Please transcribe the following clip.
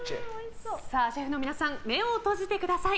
シェフの皆さん目を閉じてください。